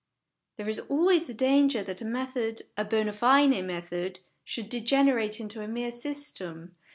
There is always the danger that a method, a bond fide method, should degenerate into a mere system.